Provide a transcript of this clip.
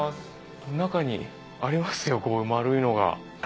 中にありますよ丸いのが。